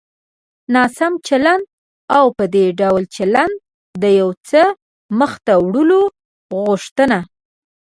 ناسم چلند او په دې ډول چلند د يو څه مخته وړلو غوښتنه.